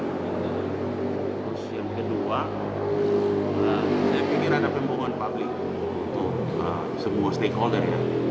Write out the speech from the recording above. terus yang kedua saya pikir ada pembohongan publik untuk sebuah stakeholder